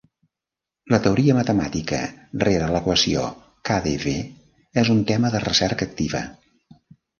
La teoria matemàtica rere l'equació KdV és un tema de recerca activa.